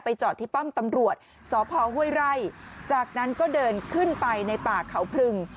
จอดที่ป้อมตำรวจสพห้วยไร่จากนั้นก็เดินขึ้นไปในป่าเขาพรึง